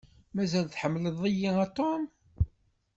Mazal tḥemmleḍ-iyi a Tom?